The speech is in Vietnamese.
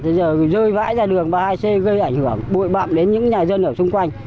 bây giờ rơi vãi ra đường ba mươi hai c gây ảnh hưởng bụi bạm đến những nhà dân ở xung quanh